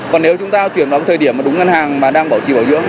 còn nếu chúng ta chuyển vào thời điểm đúng ngân hàng mà đang bảo trì hội dưỡng